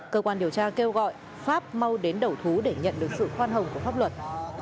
cơ quan điều tra kêu gọi pháp mau đến đầu thú để nhận được sự khoan hồng của pháp luật